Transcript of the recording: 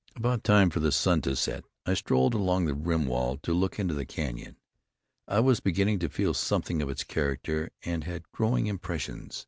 About time for the sun to set, I strolled along the rim wall to look into the canyon. I was beginning to feel something of its character and had growing impressions.